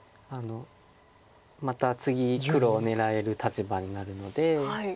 また次黒を狙える立場になるので。